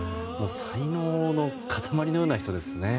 才能の塊のような人ですね。